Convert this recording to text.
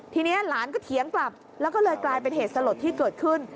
ทีนี้หลานก็เถียงกลับแล้วก็เลยกลายเป็นเหตุสลดที่เกิดขึ้น